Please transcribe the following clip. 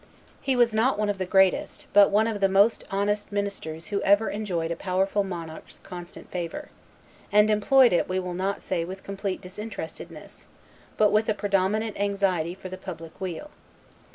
He was one not of the greatest, but of the most honest ministers who ever enjoyed a powerful monarch's constant favor, and employed it we will not say with complete disinterestedness, but with a predominant anxiety for the public weal.